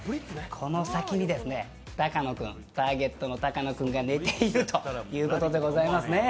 この先にターゲットの高野君が寝ているということでございますね。